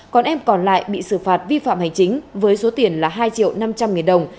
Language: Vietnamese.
còn em còn lại bị xử phạt vi phạm hành chính với số tiền là hai triệu năm trăm linh nghìn đồng